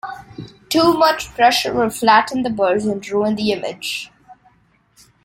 Too much pressure will flatten the burrs and ruin the image.